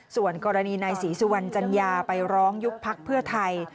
ส่วนกรณีนายศรีสุวรรณจัญญาไปร้องยุบพักเพื่อไทย